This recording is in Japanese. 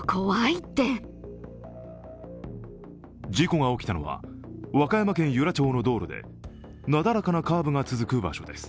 事故が起きたのは和歌山県由良町の道路でなだらかなカーブが続く場所です。